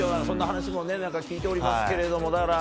そんな話も聞いておりますけれども。